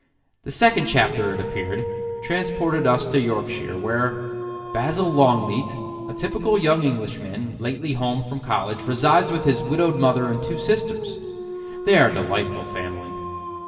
The second chapter, it appeared, transported us to Yorkshire where: "Basil Longleat, a typical young Englishman, lately home from college, resides with his widowed mother and two sisters. They are a delightful family."